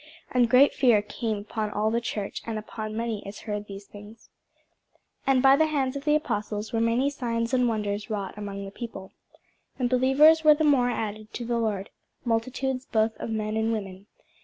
And great fear came upon all the church, and upon as many as heard these things. [Sidenote: The Acts 5] And by the hands of the apostles were many signs and wonders wrought among the people. And believers were the more added to the Lord, multitudes both of men and women.